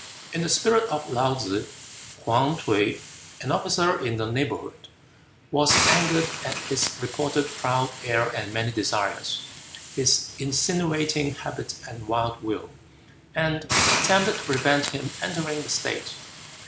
In the spirit of Laou tsze, Hwuy T'uy, an officer in the neighborhood, was angered at his reported "proud air and many desires, his insinuating habit and wild will," and attempted to prevent him entering the state.